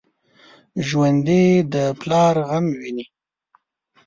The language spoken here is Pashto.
ژوندي د پلار غم ویني